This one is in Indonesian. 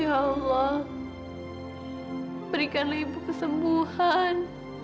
ya allah berikanlah ibu kesembuhan